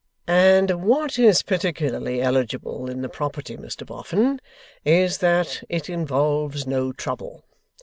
'And what is particularly eligible in the property Mr Boffin, is, that it involves no trouble.